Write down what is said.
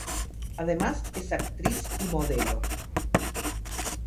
Además es actriz y modelo.